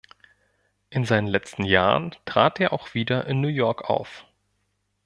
In seinen letzten Jahren trat er auch wieder in New York auf.